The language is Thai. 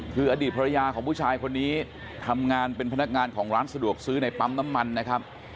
คืออดีตภรรยาของผู้ชายคนนี้ทำงานเป็นพนักงานของร้านสะดวกซื้อในปั๊มน้ำมันนะครับ